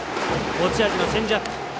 持ち味のチェンジアップ。